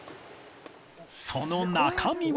その中身は